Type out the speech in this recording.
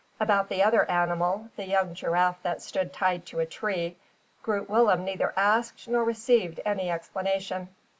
About the other animal the young giraffe that stood tied to a tree Groot Willem neither asked nor received any explanation.